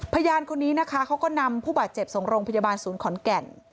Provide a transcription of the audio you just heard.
พยานคนนี้นะคะเขาก็นำผู้บาดเจ็บส่งโรงพยาบาลศูนย์ขอนแก่น